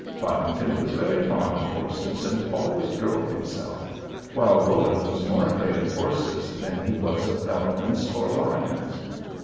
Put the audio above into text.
Podington was very fond of horses and always drove himself, while Buller was more afraid of horses than he was of elephants or lions.